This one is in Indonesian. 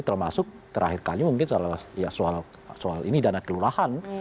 termasuk terakhir kali mungkin soal ini dana kelurahan